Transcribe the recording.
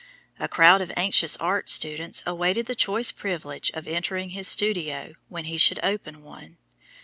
A crowd of anxious art students awaited the choice privilege of entering his studio when he should open one.